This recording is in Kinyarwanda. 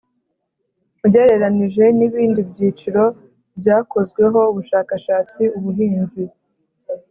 Ugereranije n ibindi byiciro byakozweho ubushakashatsi ubuhinzi